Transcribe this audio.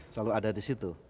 selalu ada disitu